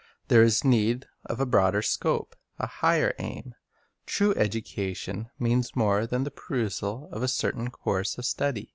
There is need of a broader scope, a higher aim. True education means more than the pursual of a certain course of study.